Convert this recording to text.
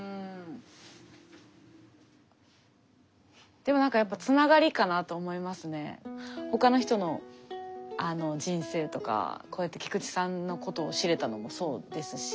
でもなんかやっぱ他の人の人生とかこうやって菊池さんのことを知れたのもそうですし。